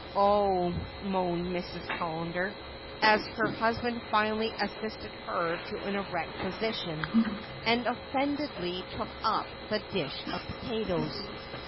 "Oh!" moaned Mrs. Callender as her husband finally assisted her to an erect position, and offendedly took up the dish of potatoes.